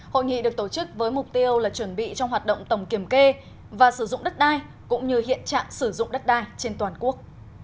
hội nghị được tổ chức với mục tiêu là chuẩn bị cho hoạt động tổng kiểm kê và sử dụng đất đai cũng như hiện trạng sử dụng đất đai trên toàn quốc